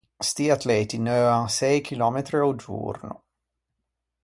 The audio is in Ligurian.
Sti atleti neuan sëi chillòmetri a-o giorno.